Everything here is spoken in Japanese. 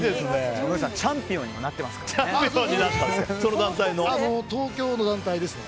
ノリさん、チャンピオンにもなっていますからね。